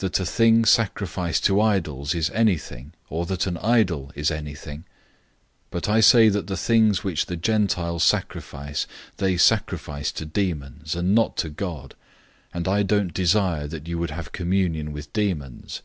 That a thing sacrificed to idols is anything, or that an idol is anything? 010:020 But I say that the things which the Gentiles sacrifice, they sacrifice to demons, and not to God, and I don't desire that you would have communion with demons.